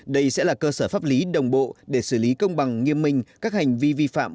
đây sẽ là cơ sở pháp lý đồng bộ để xử lý công bằng nghiêm minh các hành vi vi phạm